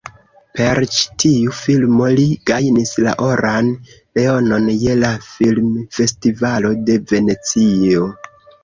Per ĉi tiu filmo li gajnis la oran leonon je la Filmfestivalo de Venecio.